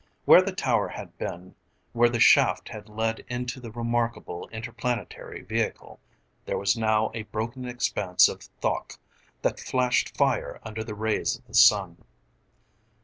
Where the tower had been, where the shaft had led into the remarkable interplanetary vehicle, there was now a broken expanse of thoque that flashed fire under the rays of the sun.